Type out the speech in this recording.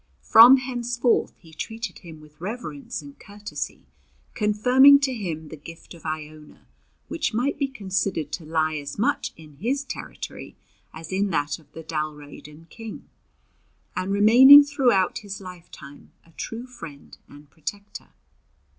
From henceforth he treated him with reverence and courtesy, confirming to him the gift of Iona, which might be considered to lie as much in his territory as in that of the Dalriadan king, and remaining throughout his lifetime a true friend and protector.